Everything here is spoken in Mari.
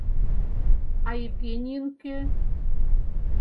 — А Евгенийын кӧ?